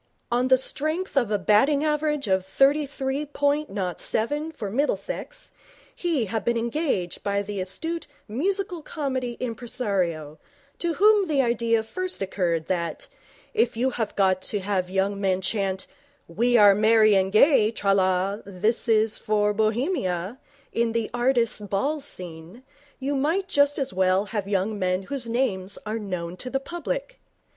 On the strength of a batting average of thirty three point nought seven for Middlesex, he had been engaged by the astute musical comedy impresario to whom the idea first occurred that, if you have got to have young men to chant 'We are merry and gay, tra la, for this is Bohemia,' in the Artists' Ball scene, you might just as well have young men whose names are known to the public.